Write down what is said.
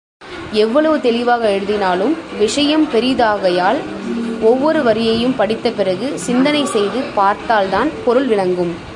எவ்வளவு தெளிவாக எழுதினாலும், விஷயம் பெரிதாகையால், ஒவ்வொரு வரியையும் படித்த பிறகு சிந்தனை செய்து பார்த்தால்தான் பொருள் விளங்கும்.